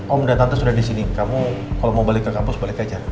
om datang sudah di sini kamu kalau mau balik ke kampus balik aja